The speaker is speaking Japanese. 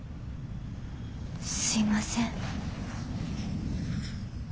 すいません。